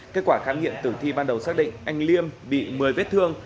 kết quả khám nghiệm tử thi ban đầu xác định anh liêm bị một mươi vết thương